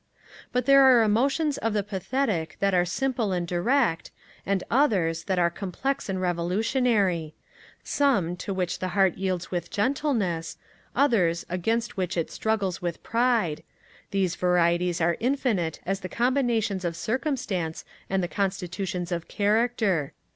But there are emotions of the pathetic that are simple and direct, and others that are complex and revolutionary; some to which the heart yields with gentleness; others against which it struggles with pride; these varieties are infinite as the combinations of circumstance and the constitutions of character.